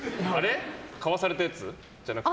買わされたやつじゃなくて？